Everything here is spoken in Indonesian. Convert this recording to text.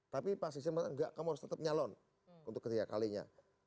tapi pak susi bilang enggak kamu harus tetap nyalon untuk ketiga kalinya